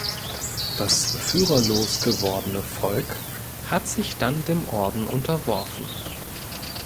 Das führerlos gewordene Volk hat sich dann dem Orden unterworfen.